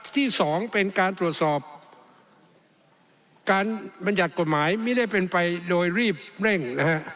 ตรวจสอบการบรรยัติกฎหมายไม่ได้เป็นไปโดยรีบเร่ง